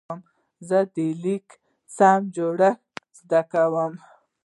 زه د لیک سم جوړښت زده کوم.